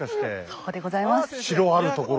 そうでございます。